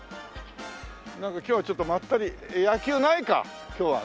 なんか今日はちょっとまったり野球ないか今日は。